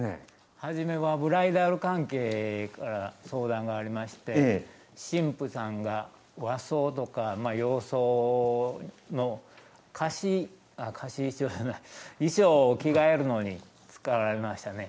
初めはブライダル関係から相談がありまして新婦さんが和装とか洋装の衣装を着替えるのに使われましたね。